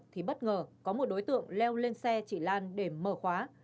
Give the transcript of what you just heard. thì bất ngờ có một đối tượng leo lên xe chỉ lan để mở khóa